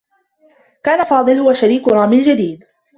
كان فاضل هو شريك رامي الجديد.